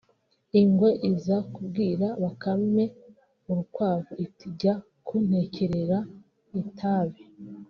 Ingwe iza kubwira Bakame (urukwavu) iti « jya kuntekerera itabi